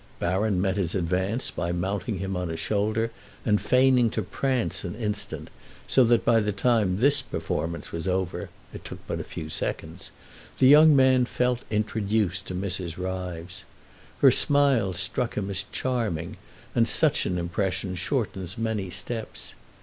Baron met his advance by mounting him on a shoulder and feigning to prance an instant, so that by the time this performance was over—it took but a few seconds—the young man felt introduced to Mrs. Ryves. Her smile struck him as charming, and such an impression shortens many steps.